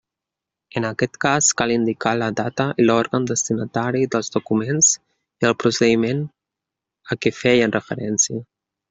En aquest cas, cal indicar la data i l'òrgan destinatari dels documents i el procediment a què feien referència.